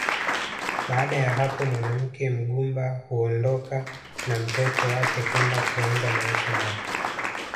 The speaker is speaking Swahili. Baada ya hapo mwanamke mgumba huondoka na mtoto wake kwenda kuanza maisha mapya